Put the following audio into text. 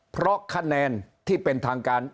เพราะคะแนนที่เป็นทางการ